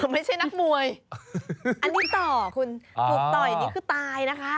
ไม่ใช่นักมวยอันนี้ต่อคุณถูกต่อยนี่คือตายนะคะ